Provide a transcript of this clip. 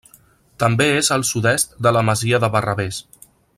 També és al sud-est de la Masia de Barravés.